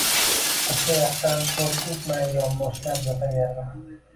O‘sha yoqdan ko‘z uzmay, yonboshlab yotaverdim